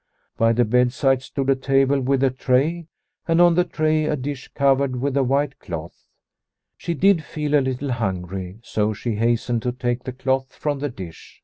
By the bedside stood a table The Silver Thaler 139 with a tray, and on the tray a dish covered with a white cloth. She did feel a little hungry, so she hastened to take the cloth from the dish.